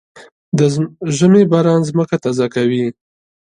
د ژمي باران ځمکه تازه کوي.